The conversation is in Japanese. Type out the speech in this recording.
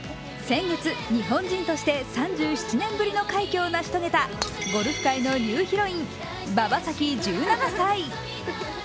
先月、日本人として３７年ぶりの快挙を成し遂げたゴルフ界のニューヒロイン・馬場咲希１７歳。